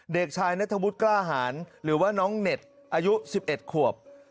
เด็กชายนัทวุฒิกล้าหารหรือว่าน้องเน็ตอายุ๑๑ขวบ